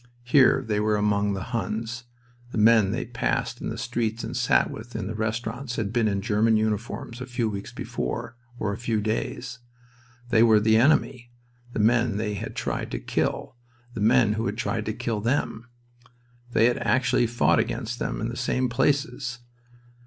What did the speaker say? Here they were among the "Huns." The men they passed in the streets and sat with in the restaurants had been in German uniforms a few weeks before, or a few days. They were "the enemy," the men they had tried to kill, the men who had tried to kill them. They had actually fought against them in the same places.